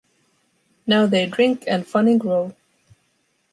Now they drink and funny grow.